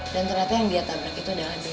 dan ternyata yang dia nabrak itu adalah dula